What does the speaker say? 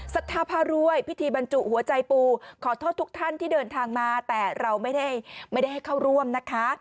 สัทธาพารวยพิธีบรรจุหัวใจปูขอโทษทุกท่านที่เดินทางมาแต่เราไม่ได้ให้เข้าร่วมนะคะ